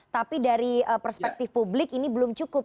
tapi dari perspektif publik ini belum cukup